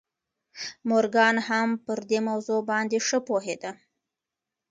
مورګان هم پر دې موضوع باندې ښه پوهېده